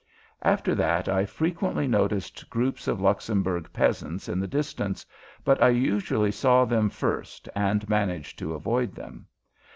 After that I frequently noticed groups of Luxembourg peasants in the distance, but I usually saw them first and managed to avoid them.